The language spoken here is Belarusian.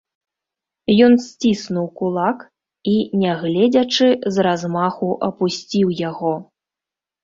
Ён сціснуў кулак і, не гледзячы, з размаху апусціў яго.